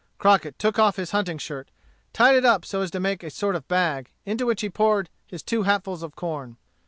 Crockett took off his hunting shirt, tied it up so as to make a sort of bag, into which he poured his two hatfuls of corn.